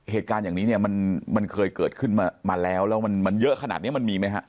เหตุการณ์อย่างนี้เนี่ยมันเคยเกิดขึ้นมาแล้วแล้วมันเยอะขนาดนี้มันมีไหมฮะ